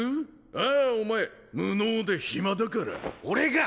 ああお前無能で暇だから俺が！